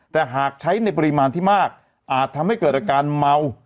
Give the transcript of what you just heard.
แต่หากใช้ในปริมาณที่มากอาจทำให้เกิดอาการเมา